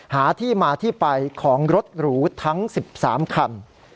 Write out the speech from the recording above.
หาที่มาที่ไปของรถหรูทั้ง๑๓คัน